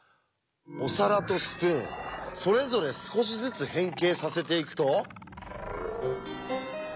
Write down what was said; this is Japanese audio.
お皿とスプーンそれぞれ少しずつ変形させていくと。